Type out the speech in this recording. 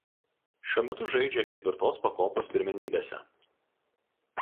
Šiuo metu žaidžia ketvirtos pakopos pirmenybėse.